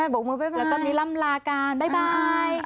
บอกมือบ๊ายบายแล้วตอนนี้ลำลาการบ๊ายบาย